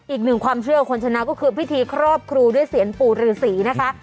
อีกหนึ่งความเชื่อของคนชนะก็คือพิธีครอบครูด้วยเสียงปู่ฤษีนะคะ